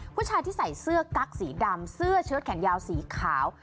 ผู้ชายที่ใส่เสื้อกั๊กสีดำเสื้อเชิดแขนยาวสีขาว